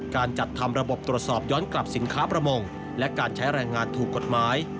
การจัดทำระบบตรวจสอบย้อนกลับสินค้าประมงและการใช้แรงงานถูกกฎหมาย